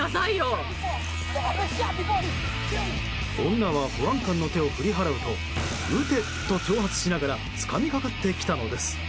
女は保安官の手を振り払うと撃てと挑発しながらつかみかかってきたのです。